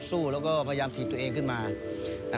ก็ฝากถึงอ้ำด้วยแล้วกันว่าอย่าหยุดพัฒนาตัวเองให้เป็นอย่างนี้ตลอดไป